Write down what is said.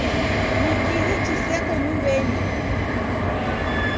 Ni kihi chiseko nyumbenyi?